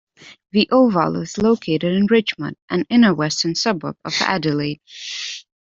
The Oval is located in Richmond, an inner-western suburb of Adelaide.